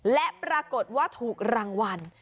และปรากฏว่าถูกรางวัล